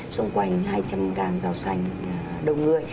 xung quanh hai trăm linh gam rau xanh đầu người